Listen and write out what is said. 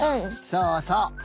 そうそう。